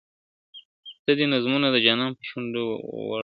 ته دي نظمونه د جانان په شونډو ورنګوه !.